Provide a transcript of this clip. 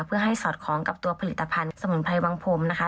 เพื่อให้สอดคล้องกับตัวผลิตภัณฑ์สมุนไพรวังพรมนะคะ